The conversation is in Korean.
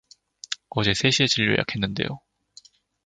어제 세 시에 진료 예약했는데요.